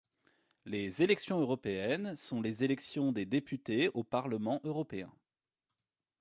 Les élections européennes sont les élections des députés au Parlement européen.